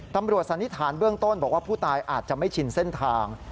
สันนิษฐานเบื้องต้นบอกว่าผู้ตายอาจจะไม่ชินเส้นทาง